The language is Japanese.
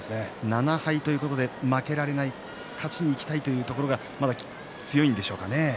７敗というところで負けられない勝ちにいきたいというところが強いんでしょうかね。